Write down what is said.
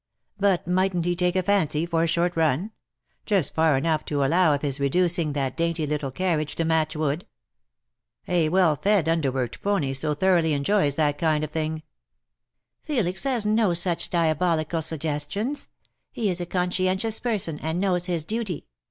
" But mightn't he take a fancy for a short run ; just far enough to allow of his reducing that dainty little carriage to match wood ? A well fed under 78 ^'TINTAGEL, HALF IN SEA, AND HALF ON LAND. worked pony so thoroughly enjoys that kind of thing/' ^' Felix has no such diabolical suggestions. He is a conscientious person, and knows his duty.